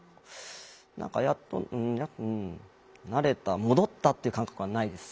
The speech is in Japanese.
何かやっとうんなれた戻ったっていう感覚はないです。